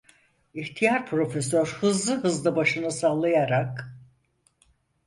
İhtiyar profesör hızlı hızlı başını sallayarak: